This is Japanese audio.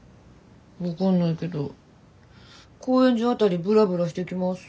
分かんないけど高円寺辺りぶらぶらしてきます。